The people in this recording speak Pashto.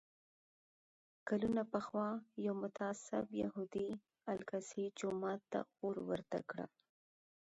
کلونه پخوا یو متعصب یهودي الاقصی جومات ته اور ورته کړ.